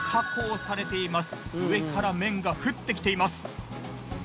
上から麺が降ってきています。